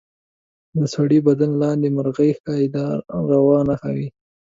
د سړي بدن لاندې مرغۍ ښایي د اروا نښه وي.